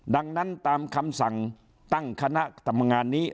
ดังนั้นตามคำสั่งตั้งคณะทำงานนี้